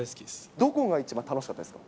どこが一番楽しかったですか？